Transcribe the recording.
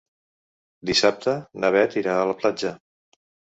Dissabte na Bet irà a la platja.